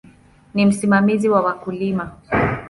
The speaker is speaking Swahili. Ni msimamizi wa wakulima.